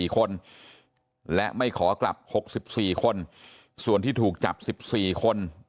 ๔คนและไม่ขอกลับ๖๔คนส่วนที่ถูกจับ๑๔คน